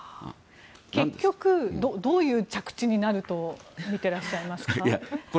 結局どういう着地になると見てらっしゃいますか。